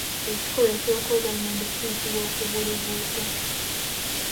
Ekikolwa ekyokwoza lumonde kiyitibwa Okubulubuuta.